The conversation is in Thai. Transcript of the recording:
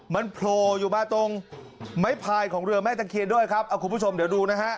มันโผล่อยู่มาตรงไม้พายของเรือแม่ตะเคียนด้วยครับเอาคุณผู้ชมเดี๋ยวดูนะฮะ